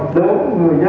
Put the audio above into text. đến người dân